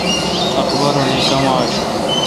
اخبارونی کما آشوں؟